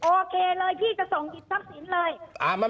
โอเคเลยพี่จะส่งหยิบทรัพย์สินเลย